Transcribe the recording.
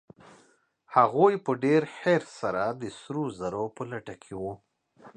هغوی په ډېر حرص سره د سرو زرو په لټه کې وو.